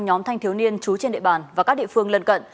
nhóm thanh thiếu niên trú trên địa bàn và các địa phương lân cận